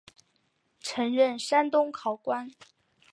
曾任山东考官。